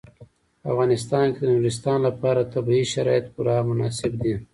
په افغانستان کې د نورستان لپاره طبیعي شرایط پوره مناسب دي.